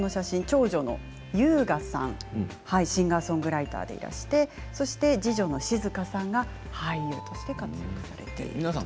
長女の優河さんシンガーソングライターでいらしてそして次女の静河さんが俳優として活躍されています。